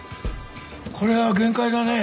これが限界だね。